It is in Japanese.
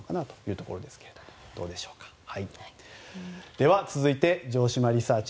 では続いて、城島リサーチ！